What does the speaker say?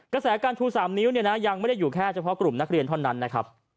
กระแสการชู๓นิ้วเนี่ยนะยังไม่ได้อยู่แค่เฉพาะกลุ่มนักเรียนเท่านั้นนะครับ